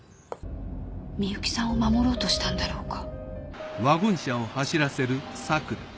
深雪さんを守ろうとしたんだろうか？